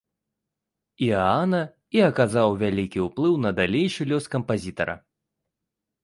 Іаана і аказаў вялікі ўплыў на далейшы лёс кампазітара.